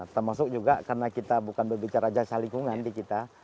termasuk juga karena kita bukan berbicara saja sehari hari di kita